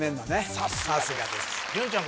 さすがですあっ